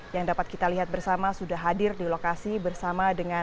yang dapat kita lihat bersama sudah hadir di lokasi bersama dengan